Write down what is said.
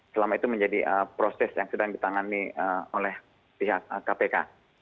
selama itu menjadi proses yang sedang ditangani oleh pihak kpk